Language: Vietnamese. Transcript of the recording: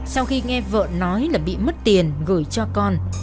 sau khi nghe vợ nói là bị mất tiền gửi cho con